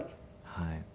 はい。